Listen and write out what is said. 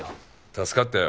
助かったよ。